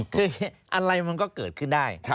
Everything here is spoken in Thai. คืออะไรมันก็เกิดขึ้นได้